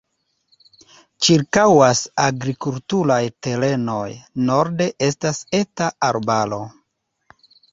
Ĉirkaŭas agrikulturaj terenoj, norde estas eta arbaro.